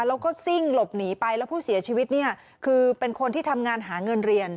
แล้วก็ซิ่งหลบหนีไปแล้วผู้เสียชีวิตเนี่ยคือเป็นคนที่ทำงานหาเงินเรียน